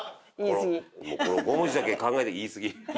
この５文字だけ考えれば「言い過ぎ」。